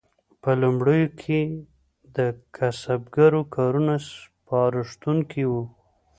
په لومړیو کې د کسبګرو کارونه سپارښتونکي وو.